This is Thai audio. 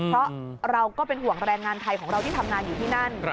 เพราะเราก็เป็นห่วงแรงงานไทยของเราที่ทำงานอยู่ที่นั่น